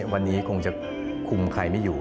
วันนี้คงจะคุมใครไม่อยู่